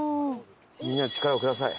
みんなの力をください。